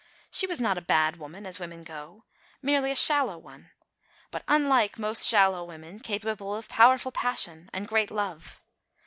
She was not a bad woman, as women go, merely a shallow one, but, unlike most shallow women, capable of powerful passion and great love.